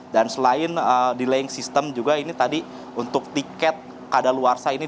dan selain delaying sistem juga ini tadi untuk tiket ada luar saya ini dihantar